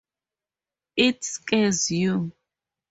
It scars you.